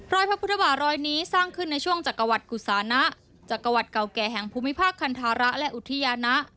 พระพุทธบาทรอยนี้สร้างขึ้นในช่วงจักรวรรดกุศานะจักรวรรดิเก่าแก่แห่งภูมิภาคคันธาระและอุทยานะ